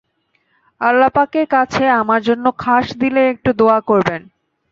আল্লাহপাকের কাছে আমার জন্য খাস দিলে একটু দোয়া করবেন।